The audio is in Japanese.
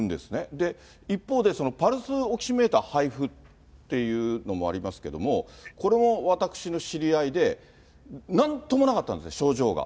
で、一方でパルスオキシメーター配布っていうのもありますけども、これも私の知り合いで、なんともなかったんですよ、症状が。